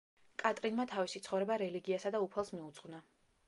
კატრინმა თავისი ცხოვრება რელიგიასა და უფალს მიუძღვნა.